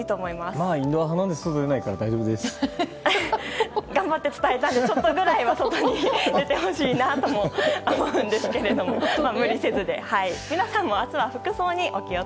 まあ、インドア派なので外でないので頑張って伝えたのでちょっとぐらいは外に出てほしいなとも思うんですけど週末が！！